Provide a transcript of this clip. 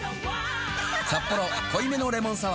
「サッポロ濃いめのレモンサワー」